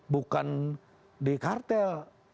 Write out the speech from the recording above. bukan di kartel